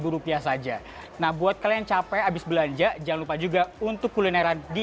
tiga puluh lima ribu rupiah saja nah buat kalian capek habis belanja jangan lupa juga untuk kulineran di